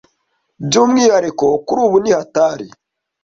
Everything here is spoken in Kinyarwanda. by'umwihariko kuri ubu nihatari